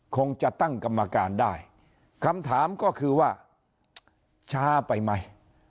คงจะตั้งกรรมการได้คำถามก็คือว่าช้าไปไหม